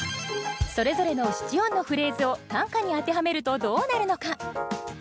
それぞれの七音のフレーズを短歌に当てはめるとどうなるのか？